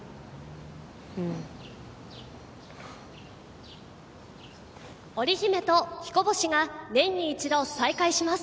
うん織姫と彦星が年に一度再会します